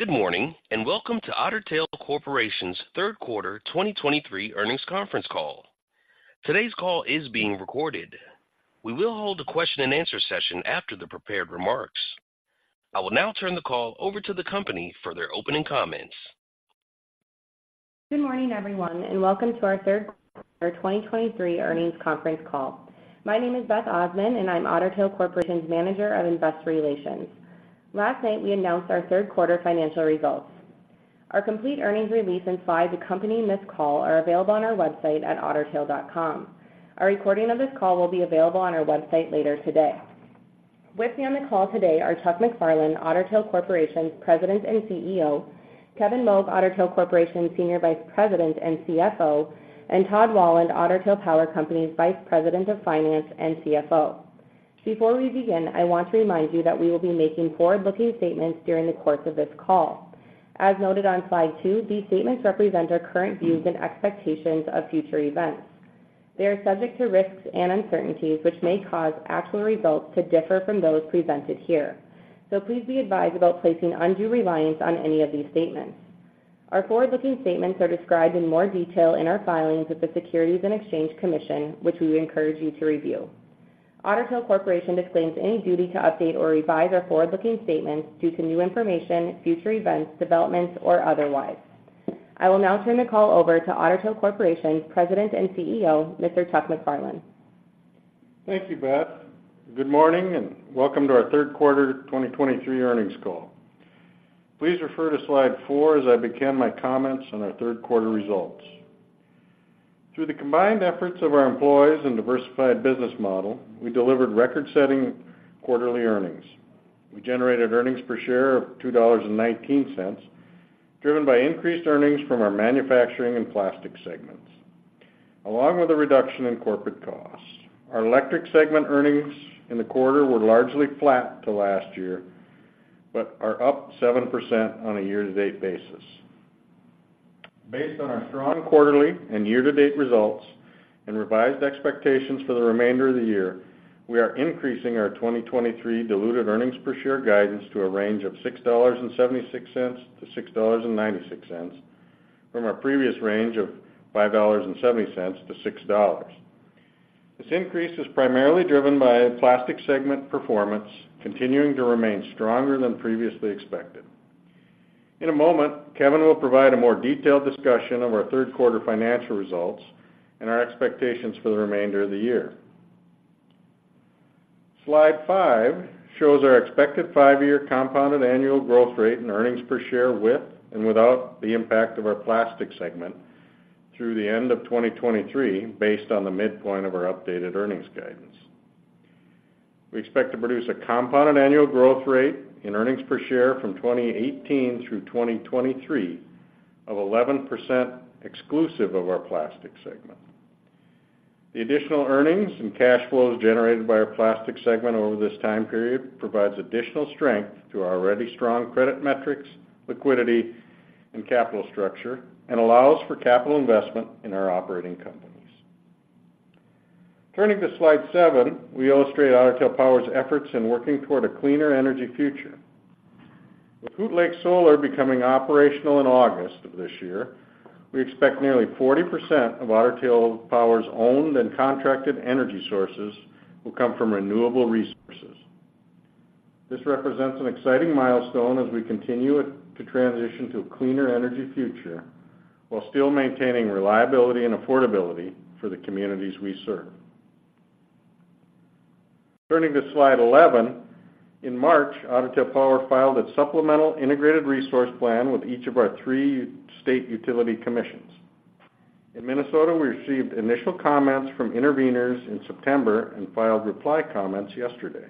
Good morning, and welcome to Otter Tail Corporation's third quarter 2023 earnings conference call. Today's call is being recorded. We will hold a question-and-answer session after the prepared remarks. I will now turn the call over to the company for their opening comments. Good morning, everyone, and welcome to our third quarter 2023 earnings conference call. My name is Beth Osman, and I'm Otter Tail Corporation's Manager of Investor Relations. Last night, we announced our third quarter financial results. Our complete earnings release and slide, the company in this call are available on our website at ottertail.com. A recording of this call will be available on our website later today. With me on the call today are Chuck MacFarlane, Otter Tail Corporation's President and CEO, Kevin Moug, Otter Tail Corporation, Senior Vice President and CFO, and Todd Wahlund, Otter Tail Power Company's Vice President of Finance and CFO. Before we begin, I want to remind you that we will be making forward-looking statements during the course of this call. As noted on slide 2, these statements represent our current views and expectations of future events. They are subject to risks and uncertainties, which may cause actual results to differ from those presented here. So please be advised about placing undue reliance on any of these statements. Our forward-looking statements are described in more detail in our filings with the Securities and Exchange Commission, which we encourage you to review. Otter Tail Corporation disclaims any duty to update or revise our forward-looking statements due to new information, future events, developments, or otherwise. I will now turn the call over to Otter Tail Corporation's President and Chief Executive Officer, Mr. Chuck MacFarlane. Thank you, Beth. Good morning, and welcome to our third quarter 2023 earnings call. Please refer to slide 4 as I begin my comments on our third quarter results. Through the combined efforts of our employees and diversified business model, we delivered record-setting quarterly earnings. We generated earnings per share of $2.19, driven by increased earnings from our manufacturing and plastic segments, along with a reduction in corporate costs. Our electric segment earnings in the quarter were largely flat to last year, but are up 7% on a year-to-date basis. Based on our strong quarterly and year-to-date results and revised expectations for the remainder of the year, we are increasing our 2023 diluted earnings per share guidance to a range of $6.76-$6.96, from our previous range of $5.70-$6. This increase is primarily driven by a plastic segment performance, continuing to remain stronger than previously expected. In a moment, Kevin will provide a more detailed discussion of our third quarter financial results and our expectations for the remainder of the year. Slide 5 shows our expected 5-year compounded annual growth rate and earnings per share with and without the impact of our plastic segment through the end of 2023, based on the midpoint of our updated earnings guidance. We expect to produce a compounded annual growth rate in earnings per share from 2018 through 2023 of 11%, exclusive of our plastic segment. The additional earnings and cash flows generated by our plastic segment over this time period provides additional strength to our already strong credit metrics, liquidity, and capital structure, and allows for capital investment in our operating companies. Turning to slide seven, we illustrate Otter Tail Power's efforts in working toward a cleaner energy future. With Hoot Lake Solar becoming operational in August of this year, we expect nearly 40% of Otter Tail Power's owned and contracted energy sources will come from renewable resources. This represents an exciting milestone as we continue to transition to a cleaner energy future, while still maintaining reliability and affordability for the communities we serve. Turning to slide 11, in March, Otter Tail Power filed its supplemental integrated resource plan with each of our three state utility commissions. In Minnesota, we received initial comments from interveners in September and filed reply comments yesterday.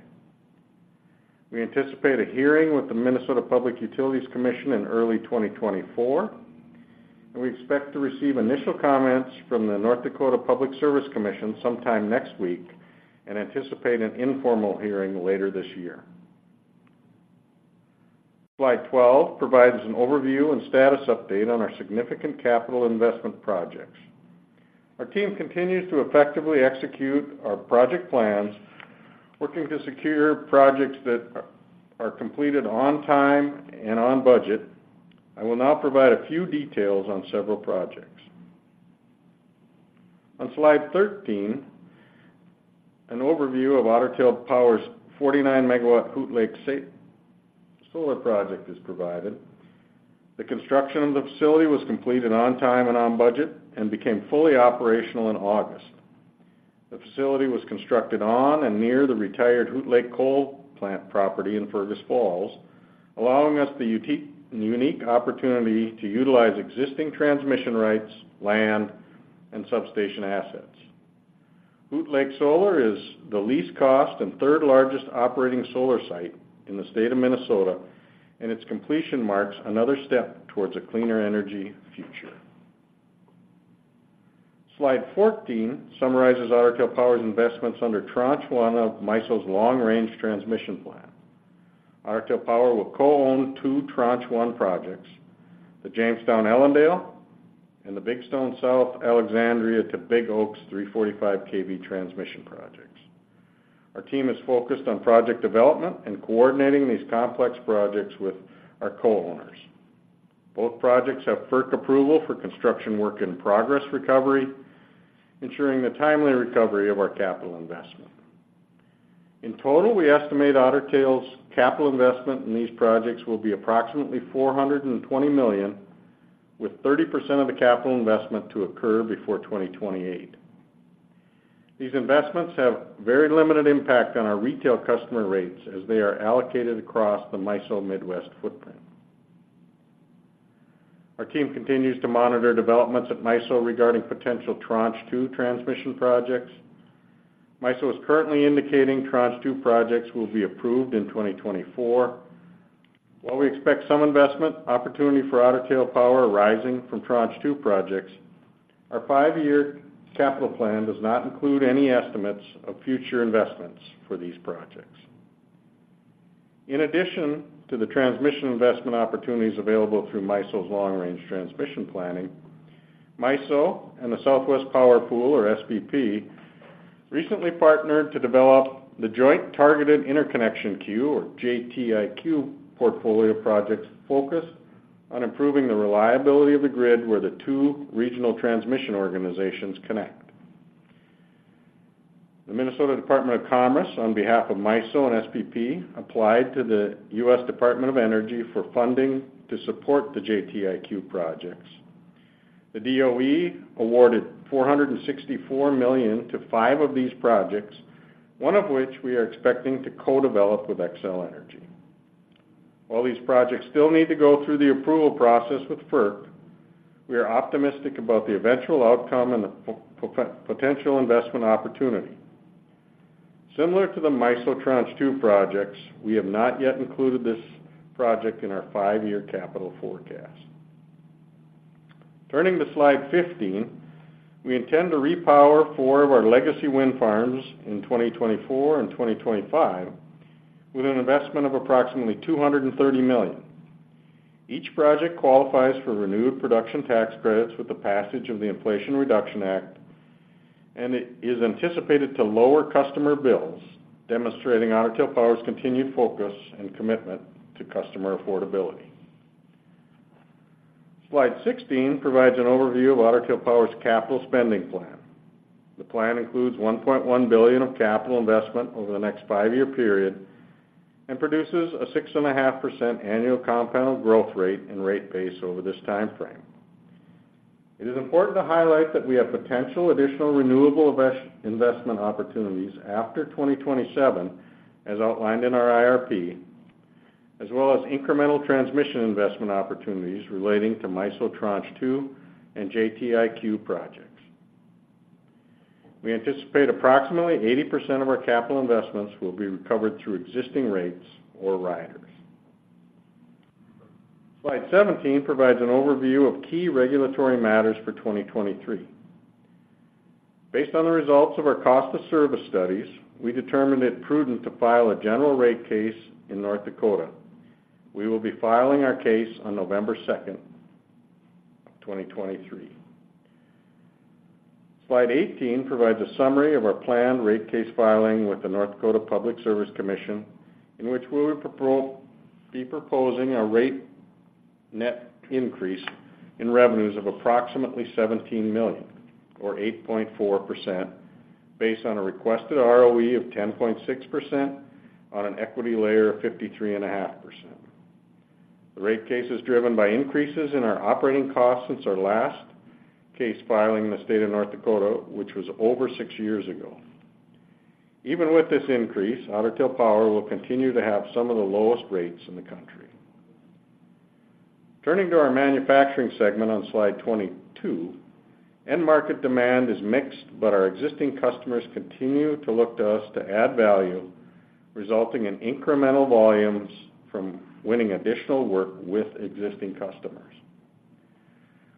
We anticipate a hearing with the Minnesota Public Utilities Commission in early 2024, and we expect to receive initial comments from the North Dakota Public Service Commission sometime next week and anticipate an informal hearing later this year. Slide 12 provides an overview and status update on our significant capital investment projects. Our team continues to effectively execute our project plans, working to secure projects that are completed on time and on budget. I will now provide a few details on several projects. On slide 13, an overview of Otter Tail Power's 49-megawatt Hoot Lake Solar Project is provided. The construction of the facility was completed on time and on budget and became fully operational in August. The facility was constructed on and near the retired Hoot Lake Coal Plant property in Fergus Falls, allowing us the unique opportunity to utilize existing transmission rights, land, and substation assets. Hoot Lake Solar is the least cost and third-largest operating solar site in the state of Minnesota, and its completion marks another step towards a cleaner energy future. Slide 14 summarizes Otter Tail Power's investments under Tranche 1 of MISO's long-range transmission plan. Otter Tail Power will co-own two Tranche 1 projects, the Jamestown-Ellendale and the Big Stone South Alexandria to Big Oaks 345 kV transmission projects. Our team is focused on project development and coordinating these complex projects with our co-owners. Both projects have FERC approval for construction work in progress recovery, ensuring the timely recovery of our capital investment. In total, we estimate Otter Tail's capital investment in these projects will be approximately $420 million, with 30% of the capital investment to occur before 2028. These investments have very limited impact on our retail customer rates as they are allocated across the MISO Midwest footprint. Our team continues to monitor developments at MISO regarding potential Tranche 2 transmission projects. MISO is currently indicating Tranche 2 projects will be approved in 2024. While we expect some investment opportunity for Otter Tail Power rising from Tranche 2 projects, our five-year capital plan does not include any estimates of future investments for these projects. In addition to the transmission investment opportunities available through MISO's long-range transmission planning, MISO and the Southwest Power Pool, or SPP, recently partnered to develop the Joint Targeted Interconnection Queue or JTIQ, portfolio of projects focused on improving the reliability of the grid where the two regional transmission organizations connect. The Minnesota Department of Commerce, on behalf of MISO and SPP, applied to the U.S. Department of Energy for funding to support the JTIQ projects. The DOE awarded $464 million to five of these projects, one of which we are expecting to co-develop with Xcel Energy. While these projects still need to go through the approval process with FERC, we are optimistic about the eventual outcome and the potential investment opportunity. Similar to the MISO Tranche 2 projects, we have not yet included this project in our five-year capital forecast. Turning to Slide 15, we intend to repower four of our legacy wind farms in 2024 and 2025, with an investment of approximately $230 million. Each project qualifies for renewed production tax credits with the passage of the Inflation Reduction Act, and it is anticipated to lower customer bills, demonstrating Otter Tail Power's continued focus and commitment to customer affordability. Slide 16 provides an overview of Otter Tail Power's capital spending plan. The plan includes $1.1 billion of capital investment over the next five-year period and produces a 6.5% annual compound growth rate in rate base over this time frame. It is important to highlight that we have potential additional renewable investment opportunities after 2027, as outlined in our IRP, as well as incremental transmission investment opportunities relating to MISO Tranche 2 and JTIQ projects. We anticipate approximately 80% of our capital investments will be recovered through existing rates or riders. Slide 17 provides an overview of key regulatory matters for 2023. Based on the results of our cost of service studies, we determined it prudent to file a general rate case in North Dakota. We will be filing our case on November 2, 2023. Slide 18 provides a summary of our planned rate case filing with the North Dakota Public Service Commission, in which we will be proposing a rate net increase in revenues of approximately $17 million, or 8.4%, based on a requested ROE of 10.6% on an equity layer of 53.5%. The rate case is driven by increases in our operating costs since our last case filing in the state of North Dakota, which was over six years ago. Even with this increase, Otter Tail Power will continue to have some of the lowest rates in the country. Turning to our manufacturing segment on Slide 22, end market demand is mixed, but our existing customers continue to look to us to add value, resulting in incremental volumes from winning additional work with existing customers.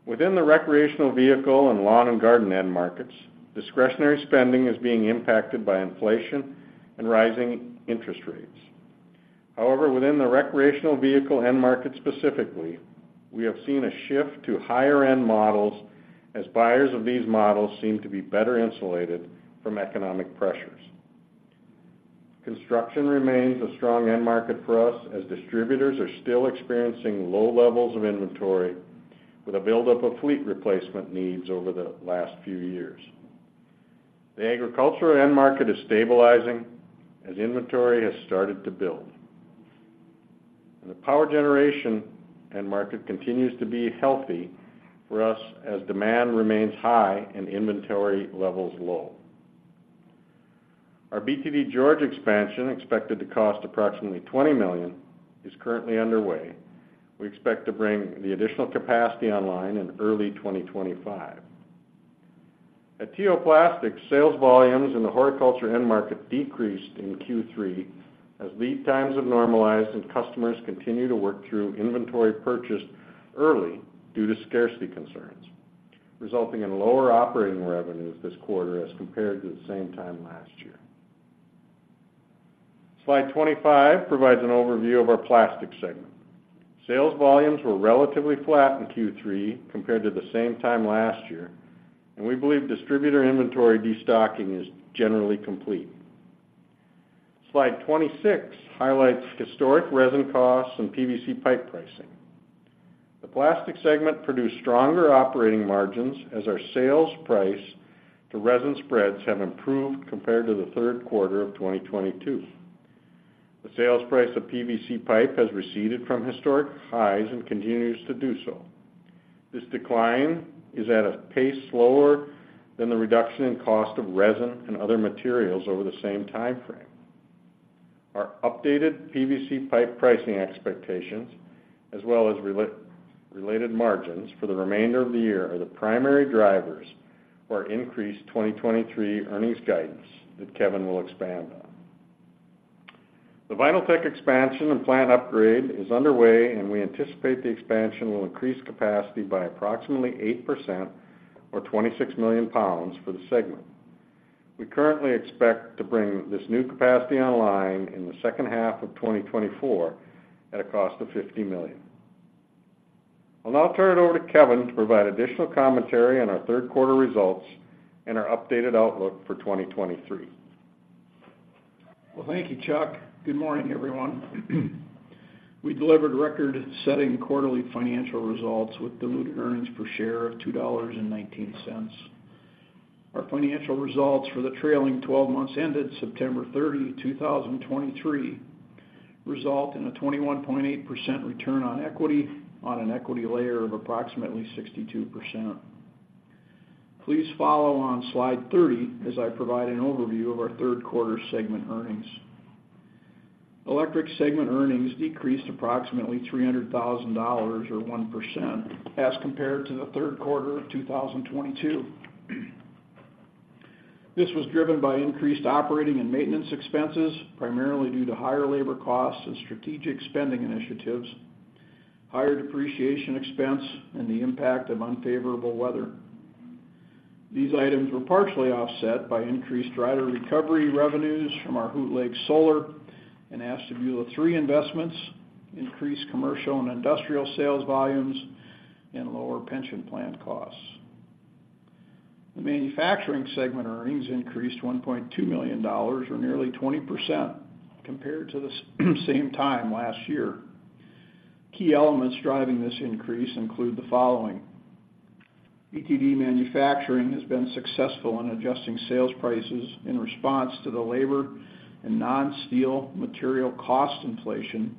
Within the recreational vehicle and lawn and garden end markets, discretionary spending is being impacted by inflation and rising interest rates. However, within the recreational vehicle end market specifically, we have seen a shift to higher-end models as buyers of these models seem to be better insulated from economic pressures. Construction remains a strong end market for us, as distributors are still experiencing low levels of inventory with a buildup of fleet replacement needs over the last few years. The agricultural end market is stabilizing as inventory has started to build. The power generation end market continues to be healthy for us as demand remains high and inventory levels low. Our BTD Georgia expansion, expected to cost approximately $20 million, is currently underway. We expect to bring the additional capacity online in early 2025. At T.O. Plastics, sales volumes in the horticulture end market decreased in Q3 as lead times have normalized and customers continue to work through inventory purchased early due to scarcity concerns, resulting in lower operating revenues this quarter as compared to the same time last year. Slide 25 provides an overview of our plastics segment. Sales volumes were relatively flat in Q3 compared to the same time last year, and we believe distributor inventory destocking is generally complete. Slide 26 highlights historic resin costs and PVC pipe pricing. The plastics segment produced stronger operating margins as our sales price to resin spreads have improved compared to the third quarter of 2022. The sales price of PVC pipe has receded from historic highs and continues to do so. This decline is at a pace slower than the reduction in cost of resin and other materials over the same time frame. Our updated PVC pipe pricing expectations, as well as related margins for the remainder of the year, are the primary drivers for our increased 2023 earnings guidance that Kevin will expand on. The Vinyltech expansion and plant upgrade is underway, and we anticipate the expansion will increase capacity by approximately 8% or 26 million pounds for the segment. We currently expect to bring this new capacity online in the second half of 2024 at a cost of $50 million. I'll now turn it over to Kevin to provide additional commentary on our third quarter results and our updated outlook for 2023. Well, thank you, Chuck. Good morning, everyone. We delivered record-setting quarterly financial results with diluted earnings per share of $2.19. Our financial results for the trailing twelve months ended September 30, 2023, result in a 21.8% return on equity on an equity layer of approximately 62%. Please follow on slide 30 as I provide an overview of our third quarter segment earnings. Electric segment earnings decreased approximately $300,000 or 1% as compared to the third quarter of 2022. This was driven by increased operating and maintenance expenses, primarily due to higher labor costs and strategic spending initiatives, higher depreciation expense, and the impact of unfavorable weather. These items were partially offset by increased rider recovery revenues from our Hoot Lake Solar and Ashtabula III investments, increased commercial and industrial sales volumes, and lower pension plan costs. The manufacturing segment earnings increased $1.2 million or nearly 20% compared to the same time last year. Key elements driving this increase include the following: BTD Manufacturing has been successful in adjusting sales prices in response to the labor and non-steel material cost inflation,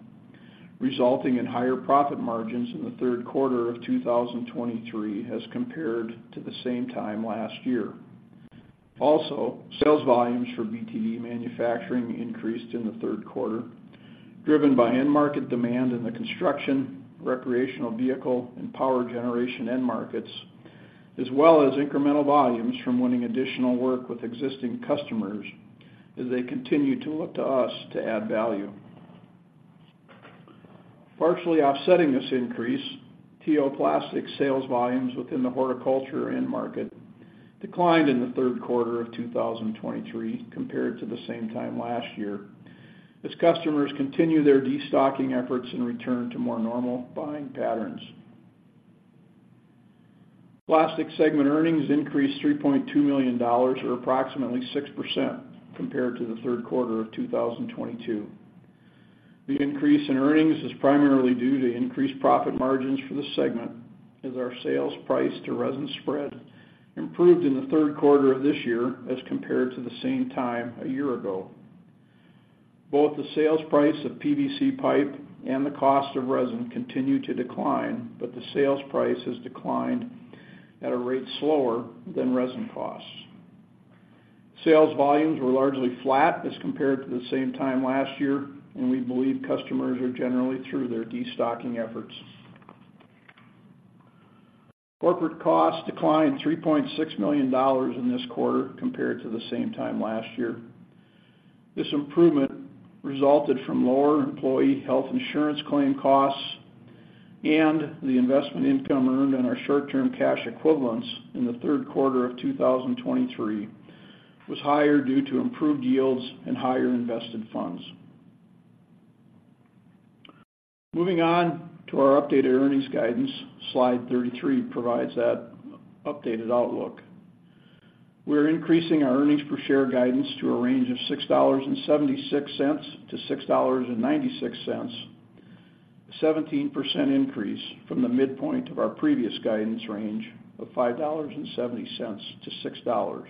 resulting in higher profit margins in the third quarter of 2023 as compared to the same time last year. Also, sales volumes for BTD Manufacturing increased in the third quarter, driven by end market demand in the construction, recreational vehicle and power generation end markets, as well as incremental volumes from winning additional work with existing customers as they continue to look to us to add value. Partially offsetting this increase, T.O. Plastics sales volumes within the horticulture end market declined in the third quarter of 2023 compared to the same time last year, as customers continue their destocking efforts and return to more normal buying patterns. Plastic segment earnings increased $3.2 million, or approximately 6% compared to the third quarter of 2022. The increase in earnings is primarily due to increased profit margins for the segment, as our sales price to resin spread improved in the third quarter of this year as compared to the same time a year ago. Both the sales price of PVC pipe and the cost of resin continued to decline, but the sales price has declined at a rate slower than resin costs. Sales volumes were largely flat as compared to the same time last year, and we believe customers are generally through their destocking efforts. Corporate costs declined $3.6 million in this quarter compared to the same time last year. This improvement resulted from lower employee health insurance claim costs and the investment income earned on our short-term cash equivalents in the third quarter of 2023 was higher due to improved yields and higher invested funds. Moving on to our updated earnings guidance. Slide 33 provides that updated outlook. We are increasing our earnings per share guidance to a range of $6.76-$6.96, a 17% increase from the midpoint of our previous guidance range of $5.70-$6.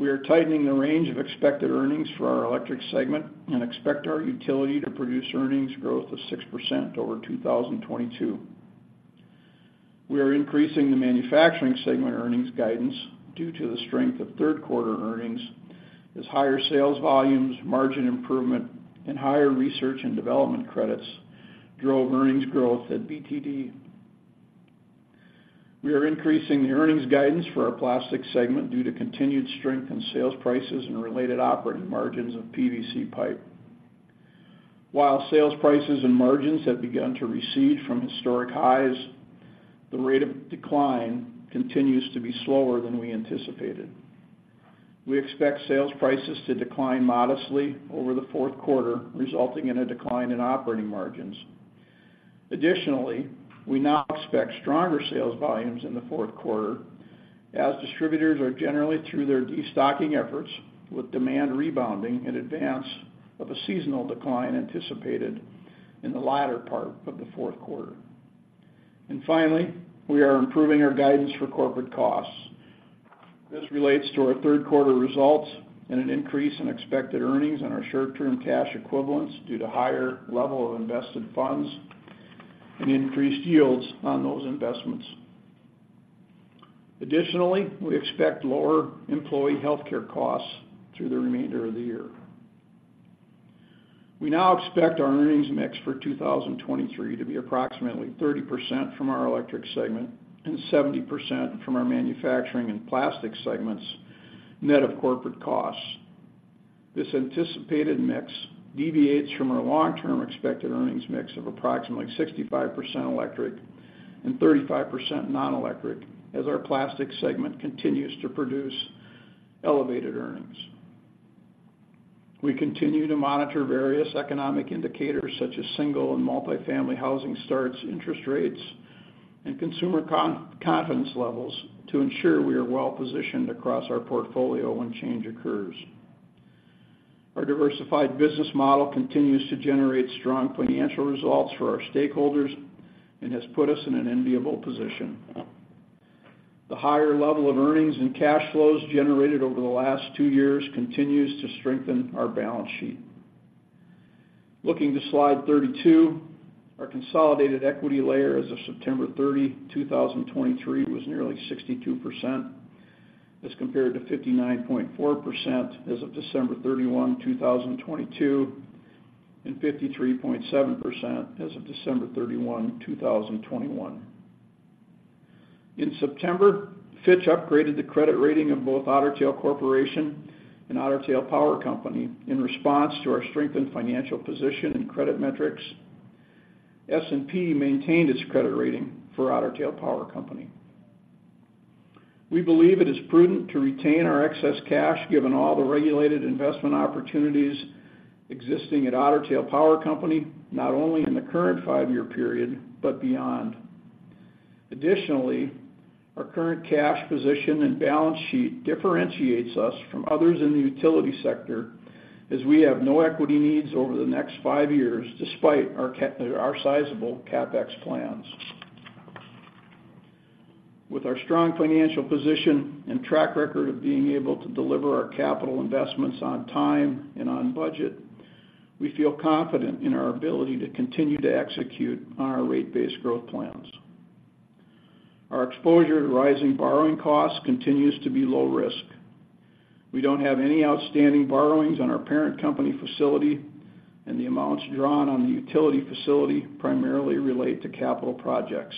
We are tightening the range of expected earnings for our electric segment and expect our utility to produce earnings growth of 6% over 2022. We are increasing the manufacturing segment earnings guidance due to the strength of third quarter earnings, as higher sales volumes, margin improvement, and higher research and development credits drove earnings growth at BTD. We are increasing the earnings guidance for our plastics segment due to continued strength in sales prices and related operating margins of PVC pipe. While sales prices and margins have begun to recede from historic highs, the rate of decline continues to be slower than we anticipated. We expect sales prices to decline modestly over the fourth quarter, resulting in a decline in operating margins. Additionally, we now expect stronger sales volumes in the fourth quarter as distributors are generally through their destocking efforts, with demand rebounding in advance of a seasonal decline anticipated in the latter part of the fourth quarter. And finally, we are improving our guidance for corporate costs. This relates to our third quarter results and an increase in expected earnings on our short-term cash equivalents due to higher level of invested funds and increased yields on those investments. Additionally, we expect lower employee healthcare costs through the remainder of the year. We now expect our earnings mix for 2023 to be approximately 30% from our electric segment and 70% from our manufacturing and plastic segments, net of corporate costs. This anticipated mix deviates from our long-term expected earnings mix of approximately 65% electric and 35% nonelectric, as our plastic segment continues to produce elevated earnings. We continue to monitor various economic indicators, such as single and multifamily housing starts, interest rates, and consumer confidence levels to ensure we are well-positioned across our portfolio when change occurs. Our diversified business model continues to generate strong financial results for our stakeholders and has put us in an enviable position. The higher level of earnings and cash flows generated over the last two years continues to strengthen our balance sheet. Looking to slide 32, our consolidated equity layer as of September 30, 2023, was nearly 62%, as compared to 59.4% as of December 31, 2022, and 53.7% as of December 31, 2021. In September, Fitch upgraded the credit rating of both Otter Tail Corporation and Otter Tail Power Company in response to our strengthened financial position and credit metrics. S&P maintained its credit rating for Otter Tail Power Company. We believe it is prudent to retain our excess cash, given all the regulated investment opportunities existing at Otter Tail Power Company, not only in the current five-year period, but beyond. Additionally, our current cash position and balance sheet differentiates us from others in the utility sector, as we have no equity needs over the next five years, despite our sizable CapEx plans. With our strong financial position and track record of being able to deliver our capital investments on time and on budget, we feel confident in our ability to continue to execute on our rate-based growth plans. Our exposure to rising borrowing costs continues to be low risk. We don't have any outstanding borrowings on our parent company facility, and the amounts drawn on the utility facility primarily relate to capital projects.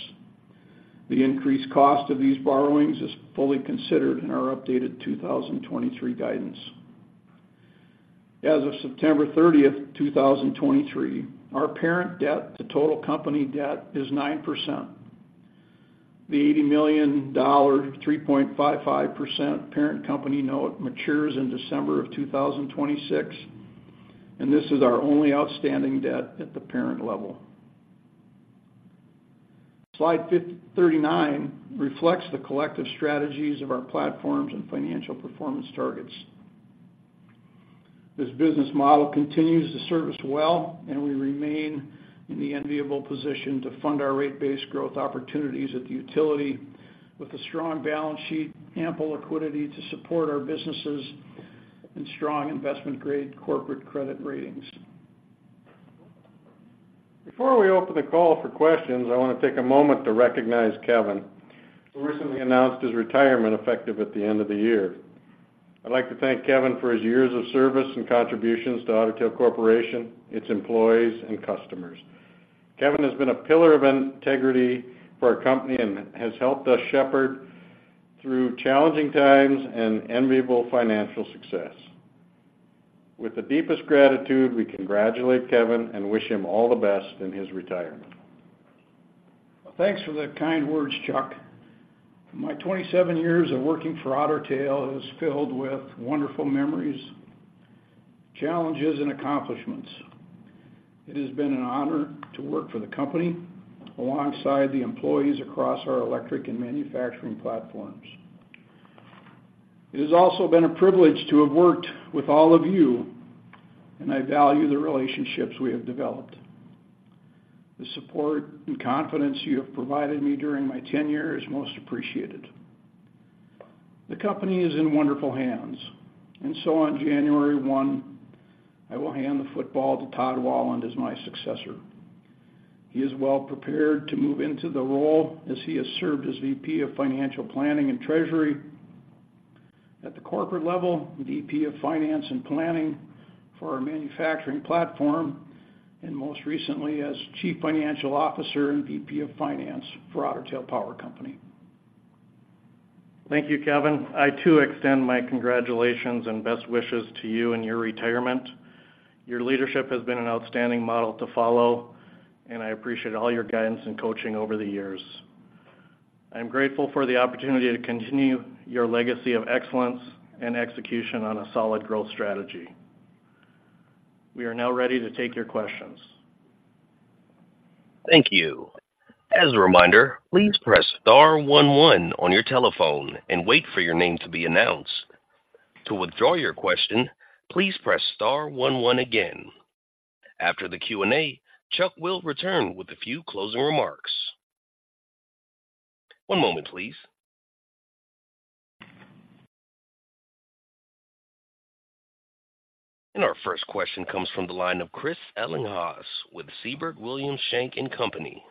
The increased cost of these borrowings is fully considered in our updated 2023 guidance. As of September 30, 2023, our parent debt to total company debt is 9%. The $80 million, 3.55% parent company note matures in December of 2026, and this is our only outstanding debt at the parent level. Slide 39 reflects the collective strategies of our platforms and financial performance targets. This business model continues to serve us well, and we remain in the enviable position to fund our rate-based growth opportunities at the utility with a strong balance sheet, ample liquidity to support our businesses, and strong investment-grade corporate credit ratings. Before we open the call for questions, I want to take a moment to recognize Kevin, who recently announced his retirement, effective at the end of the year. I'd like to thank Kevin for his years of service and contributions to Otter Tail Corporation, its employees, and customers. Kevin has been a pillar of integrity for our company and has helped us shepherd through challenging times and enviable financial success. With the deepest gratitude, we congratulate Kevin and wish him all the best in his retirement. Thanks for the kind words, Chuck. My 27 years of working for Otter Tail is filled with wonderful memories, challenges, and accomplishments. It has been an honor to work for the company alongside the employees across our electric and manufacturing platforms. It has also been a privilege to have worked with all of you, and I value the relationships we have developed. The support and confidence you have provided me during my tenure is most appreciated. The company is in wonderful hands, and so on January 1, I will hand the football to Todd Wahlund as my successor. He is well prepared to move into the role as he has served as VP of Financial Planning and Treasury at the corporate level, VP of Finance and Planning for our manufacturing platform, and most recently, as Chief Financial Officer and VP of Finance for Otter Tail Power Company.... Thank you, Kevin. I, too, extend my congratulations and best wishes to you and your retirement. Your leadership has been an outstanding model to follow, and I appreciate all your guidance and coaching over the years. I'm grateful for the opportunity to continue your legacy of excellence and execution on a solid growth strategy. We are now ready to take your questions. Thank you. As a reminder, please press star one one on your telephone and wait for your name to be announced. To withdraw your question, please press star one one again. After the Q&A, Chuck will return with a few closing remarks. One moment, please. And our first question comes from the line of Chris Ellinghaus with Siebert Williams Shank & Company.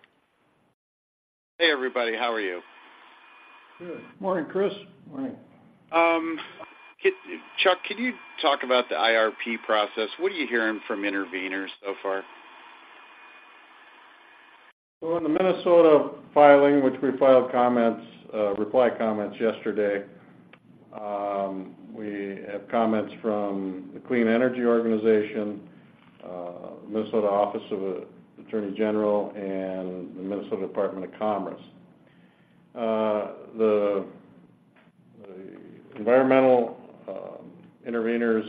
Hey, everybody. How are you? Good morning, Chris. Morning. Chuck, can you talk about the IRP process? What are you hearing from interveners so far? Well, in the Minnesota filing, which we filed comments, reply comments yesterday, we have comments from the Clean Energy Organizations, Minnesota Office of the Attorney General, and the Minnesota Department of Commerce. The environmental interveners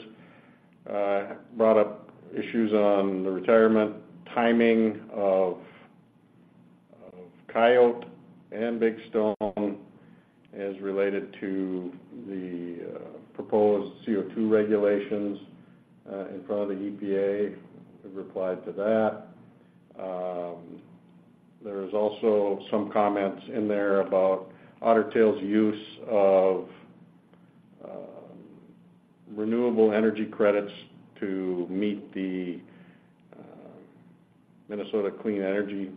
brought up issues on the retirement timing of Coyote and Big Stone as related to the proposed CO2 regulations in front of the EPA. We've replied to that. There's also some comments in there about Otter Tail's use of renewable energy credits to meet the Minnesota Clean Energy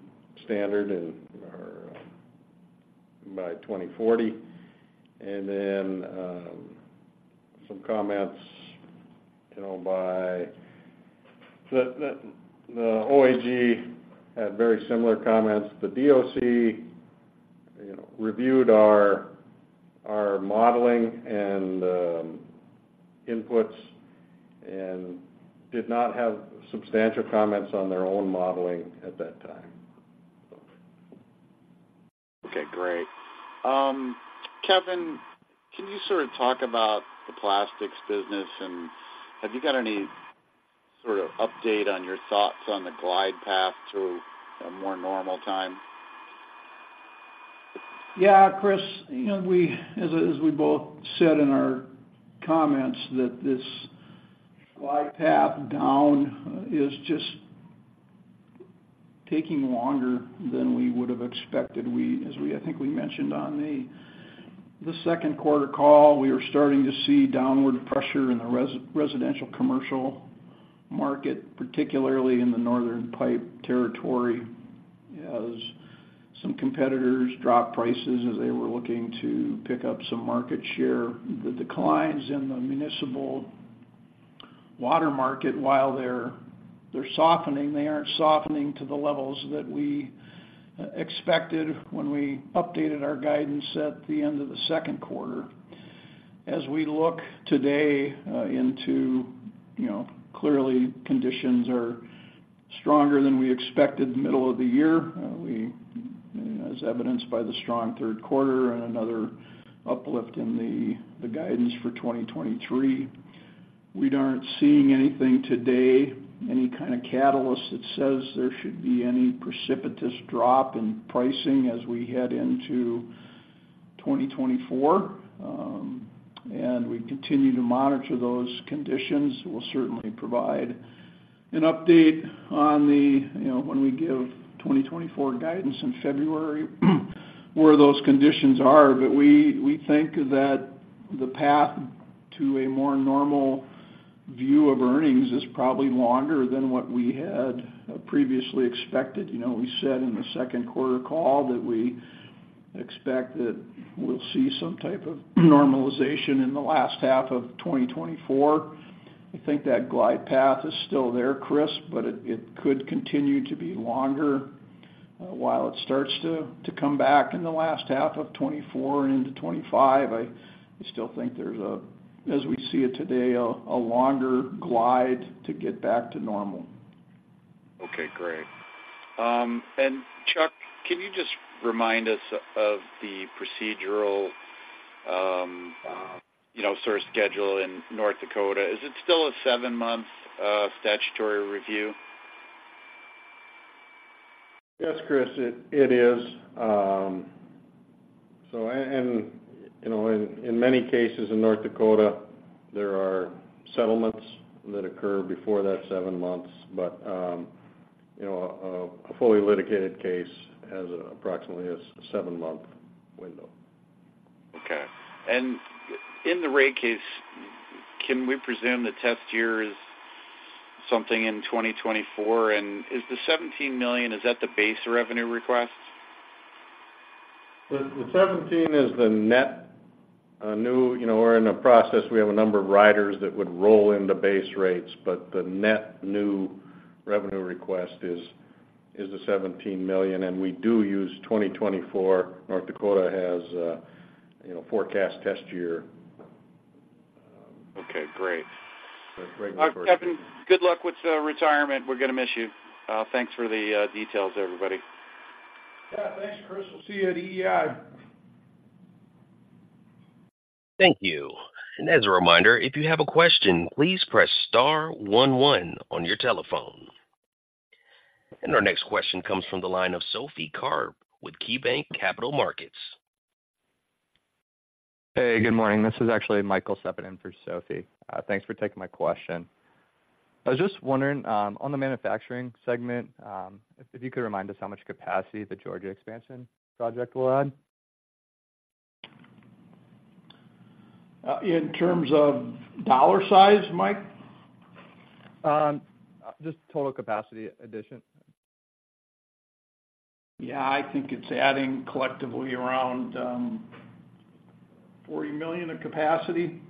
Standard in or by 2040. And then, some comments, you know, by the OAG had very similar comments. The DOC, you know, reviewed our modeling and inputs and did not have substantial comments on their own modeling at that time, so. Okay, great. Kevin, can you sort of talk about the plastics business, and have you got any sort of update on your thoughts on the glide path to a more normal time? Yeah, Chris, you know, we as we both said in our comments, that this glide path down is just taking longer than we would have expected. We as we, I think, we mentioned on the second quarter call, we are starting to see downward pressure in the residential commercial market, particularly in the Northern Pipe territory, as some competitors dropped prices as they were looking to pick up some market share. The declines in the municipal water market, while they're softening, they aren't softening to the levels that we expected when we updated our guidance at the end of the second quarter. As we look today into, you know, clearly, conditions are stronger than we expected middle of the year. We, as evidenced by the strong third quarter and another uplift in the guidance for 2023. We aren't seeing anything today, any kind of catalyst that says there should be any precipitous drop in pricing as we head into 2024. We continue to monitor those conditions. We'll certainly provide an update on the, you know, when we give 2024 guidance in February, where those conditions are. But we think that the path to a more normal view of earnings is probably longer than what we had previously expected. You know, we said in the second quarter call that we expect that we'll see some type of normalization in the last half of 2024. I think that glide path is still there, Chris, but it could continue to be longer. While it starts to come back in the last half of 2024 and into 2025, I still think there's a, as we see it today, a longer glide to get back to normal. Okay, great. And Chuck, can you just remind us of the procedural, you know, sort of schedule in North Dakota? Is it still a 7-month statutory review? Yes, Chris, it is. So and, you know, in many cases in North Dakota, there are settlements that occur before that 7 months. But, you know, a fully litigated case has approximately a 7-month window. Okay. And in the rate case, can we presume the Test Year is something in 2024? And is the $17 million, is that the base revenue request? The 17 is the net new. You know, we're in a process. We have a number of riders that would roll into base rates, but the net new revenue request is the $17 million, and we do use 2024. North Dakota has a, you know, forecast test year. Okay, great. That's great. Kevin, good luck with the retirement. We're gonna miss you. Thanks for the details, everybody. Yeah, thanks, Chris. We'll see you at EI. Thank you. As a reminder, if you have a question, please press star 1 1 on your telephone. Our next question comes from the line of Sophie Karp with KeyBanc Capital Markets. Hey, good morning. This is actually Michael stepping in for Sophie. Thanks for taking my question. I was just wondering, on the manufacturing segment, if you could remind us how much capacity the Georgia expansion project will add? In terms of dollar size, Mike? Just total capacity addition. Yeah, I think it's adding collectively around 40 million of capacity.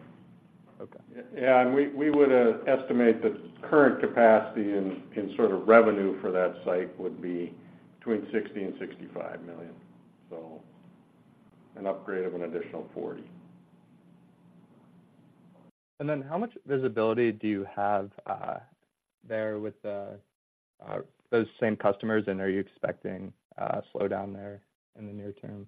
Okay. Yeah, and we would estimate the current capacity in sort of revenue for that site would be between $60 million and $65 million. So an upgrade of an additional $40 million. Then how much visibility do you have there with those same customers, and are you expecting a slowdown there in the near term?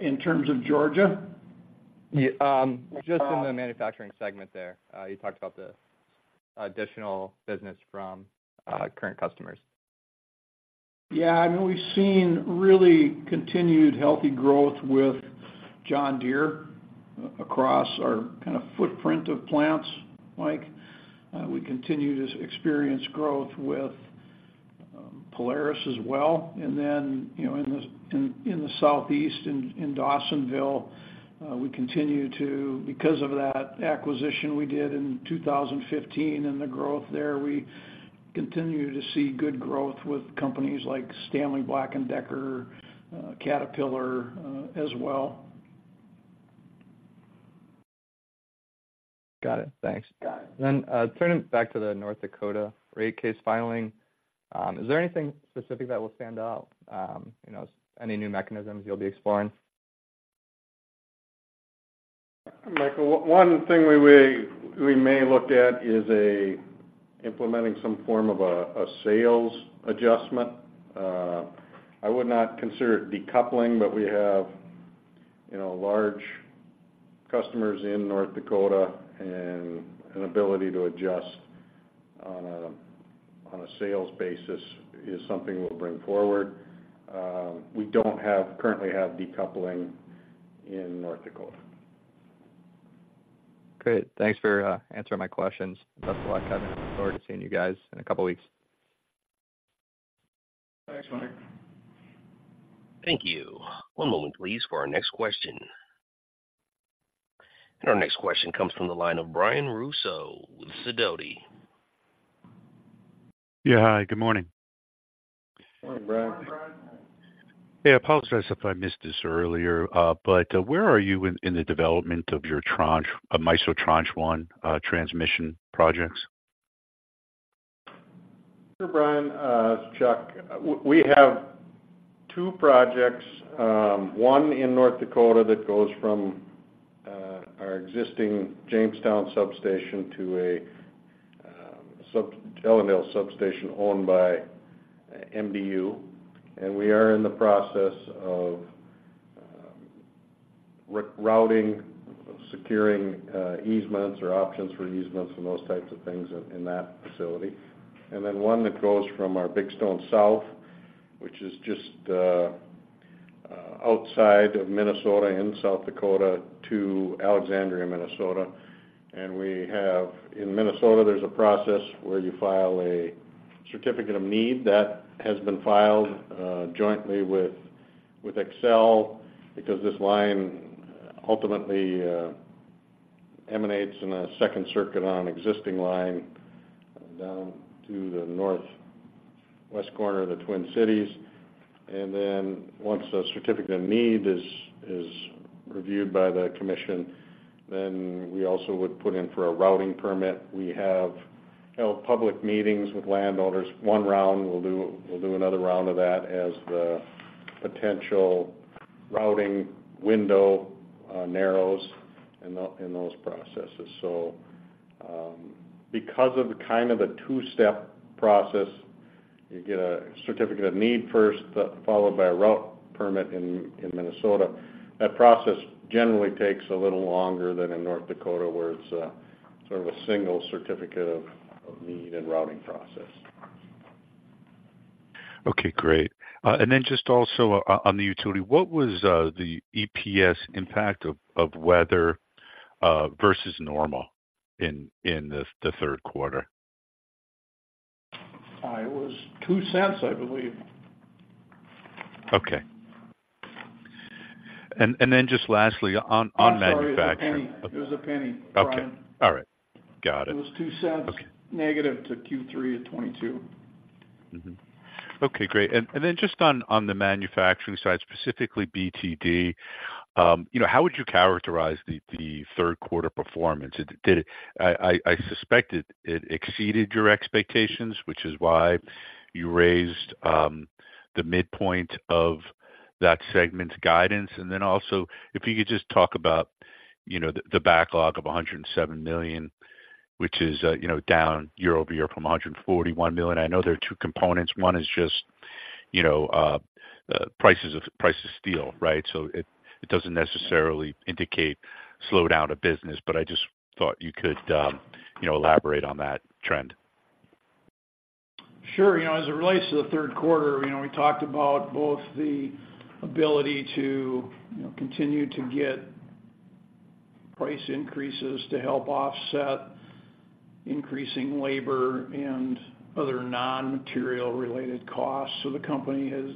In terms of Georgia? Yeah, just in the manufacturing segment there, you talked about the additional business from current customers. Yeah, I mean, we've seen really continued healthy growth with John Deere across our kind of footprint of plants, Mike. We continue to experience growth with Polaris as well. And then, you know, in the Southeast, in Dawsonville, we continue to because of that acquisition we did in 2015 and the growth there, we continue to see good growth with companies like Stanley Black & Decker, Caterpillar, as well. Got it. Thanks. Got it. Then, turning back to the North Dakota rate case filing, is there anything specific that will stand out? You know, any new mechanisms you'll be exploring? Michael, one thing we may look at is implementing some form of a sales adjustment. I would not consider it decoupling, but we have, you know, large customers in North Dakota, and an ability to adjust on a sales basis is something we'll bring forward. We don't currently have decoupling in North Dakota. Great. Thanks for answering my questions. Best of luck, Kevin. Look forward to seeing you guys in a couple of weeks. Thanks, Mike. Thank you. One moment, please, for our next question. Our next question comes from the line of Brian Russo with Sidoti. Yeah, hi, good morning. Morning, Brian. Morning, Brian. Hey, I apologize if I missed this earlier, but, where are you in, in the development of your tranche, MISO Tranche 1 transmission projects? Sure, Brian, it's Chuck. We have two projects, one in North Dakota that goes from our existing Jamestown substation to a Ellendale substation owned by MDU, and we are in the process of routing, securing easements or options for easements and those types of things in that facility. And then one that goes from our Big Stone South, which is just outside of Minnesota, in South Dakota to Alexandria, Minnesota. In Minnesota, there's a process where you file a Certificate of Need. That has been filed jointly with Xcel, because this line ultimately emanates in a second circuit on an existing line down to the northwest corner of the Twin Cities. And then once the Certificate of Need is reviewed by the commission, then we also would put in for a Route Permit. We have held public meetings with landowners. One round, we'll do another round of that as the potential routing window narrows in those processes. So, because of the kind of a two-step process, you get a Certificate of Need first, followed by a Route Permit in Minnesota, that process generally takes a little longer than in North Dakota, where it's a sort of a single Certificate of Need and routing process. Okay, great. And then just also on the utility, what was the EPS impact of weather versus normal in the third quarter? It was $0.02, I believe. Okay. And then just lastly, on manufacturing- I'm sorry, it was $0.01. It was $0.01, Brian. Okay. All right. Got it. It was $0.02- Okay. - negative to Q3 of 2022.... Mm-hmm. Okay, great. Then just on the manufacturing side, specifically BTD, you know, how would you characterize the third quarter performance? Did it—I suspect it exceeded your expectations, which is why you raised the midpoint of that segment's guidance. And then also, if you could just talk about, you know, the backlog of $107 million, which is, you know, down year-over-year from $141 million. I know there are two components. One is just, you know, prices of steel, right? So it doesn't necessarily indicate slowdown of business, but I just thought you could, you know, elaborate on that trend. Sure. You know, as it relates to the third quarter, you know, we talked about both the ability to, you know, continue to get price increases to help offset increasing labor and other non-material related costs. So the company has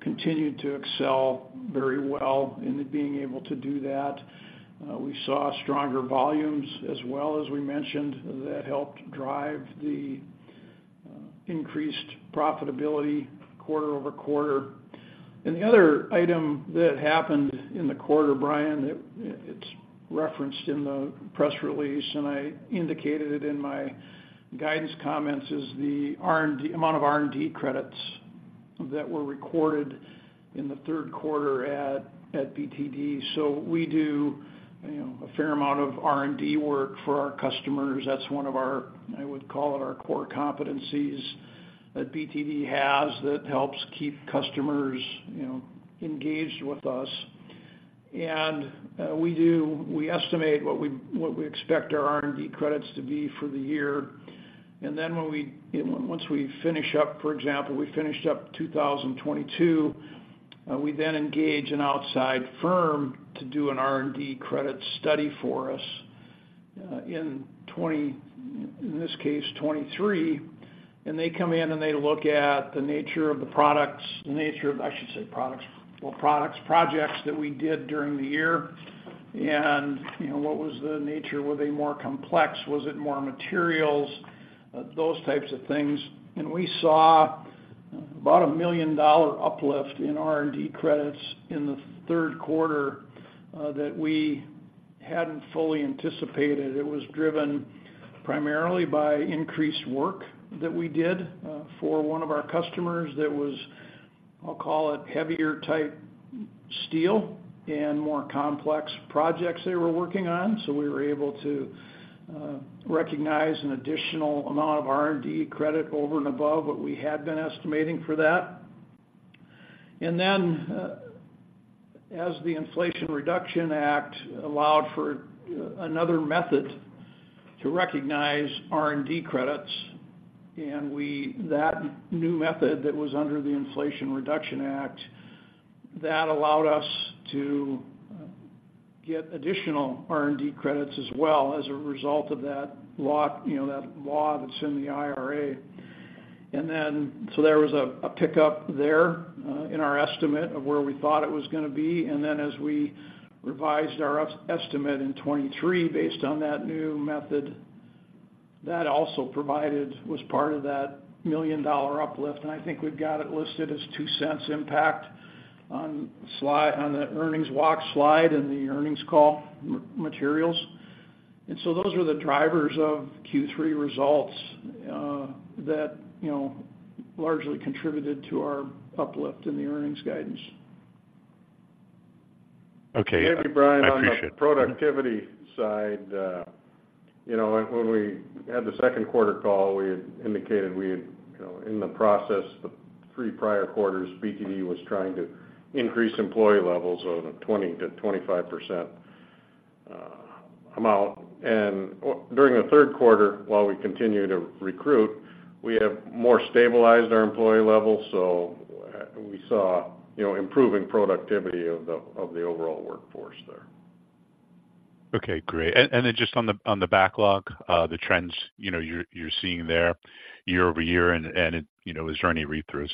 continued to excel very well in being able to do that. We saw stronger volumes as well, as we mentioned, that helped drive the increased profitability quarter over quarter. And the other item that happened in the quarter, Brian, it's referenced in the press release, and I indicated it in my guidance comments, is the R&D amount of R&D credits that were recorded in the third quarter at BTD. So we do, you know, a fair amount of R&D work for our customers. That's one of our, I would call it, our core competencies that BTD has, that helps keep customers, you know, engaged with us. We estimate what we, what we expect our R&D credits to be for the year. And then when we, you know, once we finish up, for example, we finished up 2022, we then engage an outside firm to do an R&D credit study for us, in twenty, in this case, 2023. And they come in, and they look at the nature of the products, the nature of, I should say, products, well, products, projects that we did during the year. And, you know, what was the nature? Were they more complex? Was it more materials? Those types of things. And we saw about a $1 million uplift in R&D credits in the third quarter, that we hadn't fully anticipated. It was driven primarily by increased work that we did for one of our customers that was, I'll call it, heavier type steel and more complex projects they were working on. So we were able to recognize an additional amount of R&D credit over and above what we had been estimating for that. And then, as the Inflation Reduction Act allowed for another method to recognize R&D credits. That new method that was under the Inflation Reduction Act, that allowed us to get additional R&D credits as well, as a result of that law, you know, that law that's in the IRA. And then, so there was a pickup there in our estimate of where we thought it was gonna be. Then, as we revised our estimate in 2023, based on that new method, that also provided was part of that $1 million uplift. And I think we've got it listed as $0.02 impact on slide, on the earnings walk slide in the earnings call materials. And so those were the drivers of Q3 results, that, you know, largely contributed to our uplift in the earnings guidance. Okay, I appreciate it. Brian, on the productivity side, you know, when we had the second quarter call, we had indicated we had, you know, in the process, the three prior quarters, BTD was trying to increase employee levels of 20%-25% amount. And during the third quarter, while we continued to recruit, we have more stabilized our employee level, so we saw, you know, improving productivity of the overall workforce there. Okay, great. And then just on the backlog, the trends, you know, you're seeing there year-over-year, and, you know, is there any read-throughs?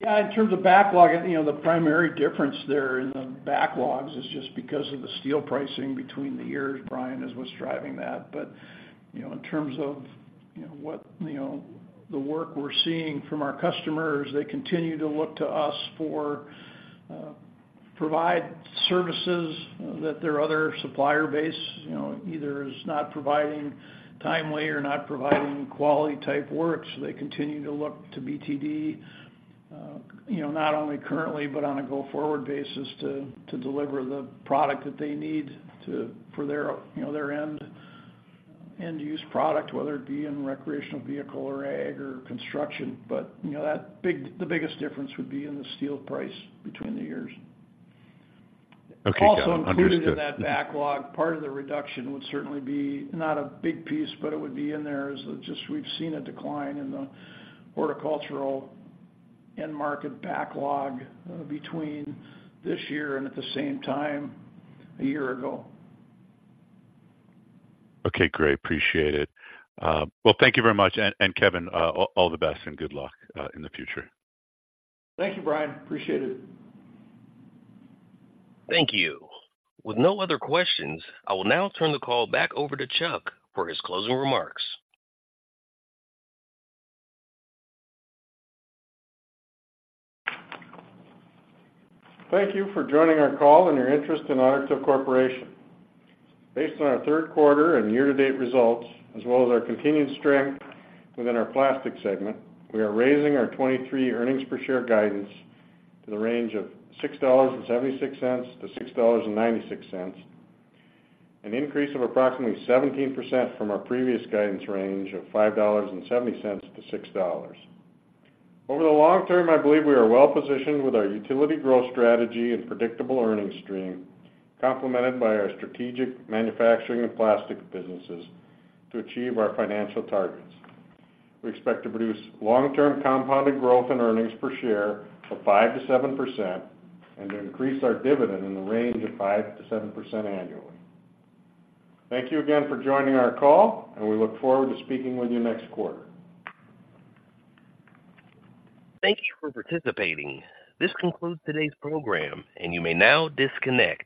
Yeah, in terms of backlog, you know, the primary difference there in the backlogs is just because of the steel pricing between the years, Brian, is what's driving that. But, you know, in terms of, you know, what, you know, the work we're seeing from our customers, they continue to look to us for provide services that their other supplier base, you know, either is not providing timely or not providing quality type work. So they continue to look to BTD, you know, not only currently but on a go-forward basis, to, to deliver the product that they need to... for their, you know, their end, end-use product, whether it be in recreational vehicle or ag or construction. But, you know, the biggest difference would be in the steel price between the years. Okay, got it. Also included in that backlog, part of the reduction would certainly be, not a big piece, but it would be in there, is that just we've seen a decline in the horticultural end market backlog, between this year and at the same time a year ago. Okay, great. Appreciate it. Well, thank you very much. And Kevin, all the best and good luck in the future. Thank you, Brian. Appreciate it. Thank you. With no other questions, I will now turn the call back over to Chuck for his closing remarks. Thank you for joining our call and your interest in Otter Tail Corporation. Based on our third quarter and year-to-date results, as well as our continued strength within our plastic segment, we are raising our 2023 earnings per share guidance to the range of $6.76-$6.96, an increase of approximately 17% from our previous guidance range of $5.70-$6. Over the long term, I believe we are well-positioned with our utility growth strategy and predictable earnings stream, complemented by our strategic manufacturing and plastic businesses to achieve our financial targets. We expect to produce long-term compounded growth in earnings per share of 5%-7% and to increase our dividend in the range of 5%-7% annually. Thank you again for joining our call, and we look forward to speaking with you next quarter. Thank you for participating. This concludes today's program, and you may now disconnect.